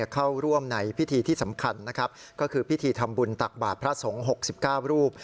เข้าร่วมในพิธีที่สำคัญพิธีทำบุญตักบาทพระสงฆ์๖๙รูป